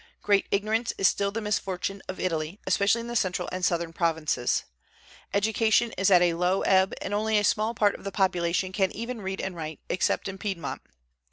Great ignorance is still the misfortune of Italy, especially in the central and southern provinces. Education is at a low ebb, and only a small part of the population can even read and write, except in Piedmont.